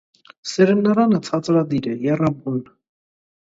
Սերմնարանը ցածրադիր է, եռաբուն։